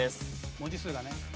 文字数がね。